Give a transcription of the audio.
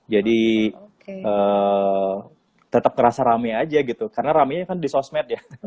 jadi tetap ngerasa rame aja gitu karena rame kan di sosmed ya